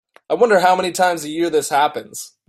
I wonder how many times a year this happens.